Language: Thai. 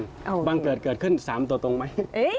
ชีวิตเครื่องคลุมวิวบังเกิดเกิดขึ้น๓ตัวตรงไหม